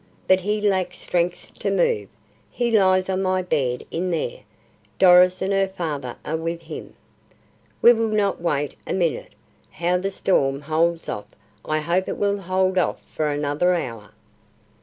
But he lacks strength to move. He lies on my bed in there. Doris and her father are with him." "We will not wait a minute. How the storm holds off. I hope it will hold off for another hour."